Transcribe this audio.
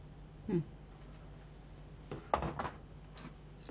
うん。